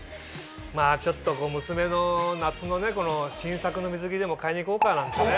まぁちょっと娘の夏のね新作の水着でも買いに行こうかなんてね。